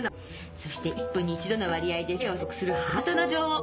そして１分に一度の割合で死刑を宣告するハートの女王。